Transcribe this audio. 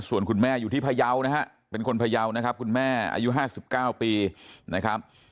ส่วนคุณแม่อยู่ที่พยาวนะฮะเป็นคนพยาวนะครับคุณแม่อายุ๕๙ปีนะครับ